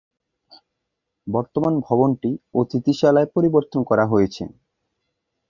বর্তমান ভবনটি অতিথিশালায় পরিবর্তন করা হয়েছে।